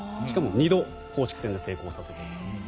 しかも２度、公式戦で成功させています。